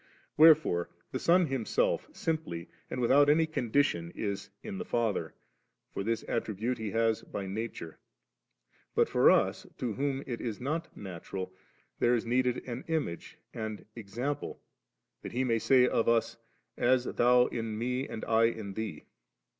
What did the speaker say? Wherdfore the Sol Himself, simply and without any conditioD is in the Father ; for this attribute He has by nature ; but for us, to whom it is not natuial, there is needed an image and example, that He may say of us, ' As Thou in Me, and I in Thee.